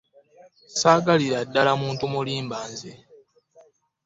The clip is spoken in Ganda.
Ssaagalira ddala muntu mulimba nze.